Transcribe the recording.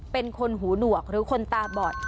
เป็นคนหูหนวกหรือคนตาบอด